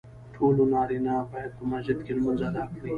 ټولو نارینه باید په مسجد کې لمونځ ادا کړي .